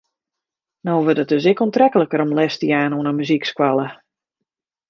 No wurdt it dus ek oantrekliker om les te jaan oan in muzykskoalle.